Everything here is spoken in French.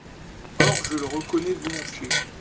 Or je le reconnais volontiers.